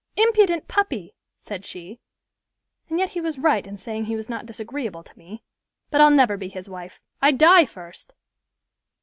"Impudent puppy!" said she; "and yet he was right in saying he was not disagreeable to me. But I'll never be his wife. I'd die first!"